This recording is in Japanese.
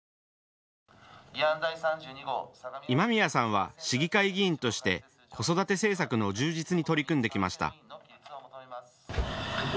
今宮さんは市議会議員として子育て政策の充実に取り組んできました。